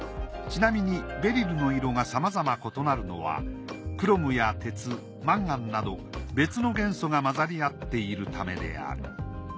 ちなみにベリルの色がさまざま異なるのはクロムや鉄マンガンなど別の元素が混ざりあっているためである。